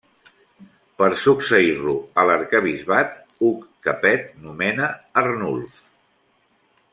Per succeir-lo a l'arquebisbat, Hug Capet nomena Arnulf.